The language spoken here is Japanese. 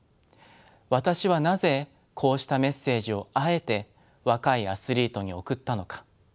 私はなぜこうしたメッセージをあえて若いアスリートに送ったのか。